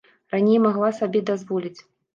Раней магла сабе дазволіць.